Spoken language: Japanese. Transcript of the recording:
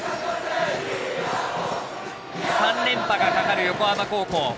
３連覇がかかる横浜高校。